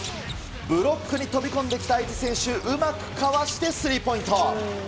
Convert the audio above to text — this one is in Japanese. ブロックに飛び込んできた相手選手、うまくかわしてスリーポイント。